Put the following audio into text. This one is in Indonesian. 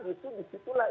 akan sengbaikan sudah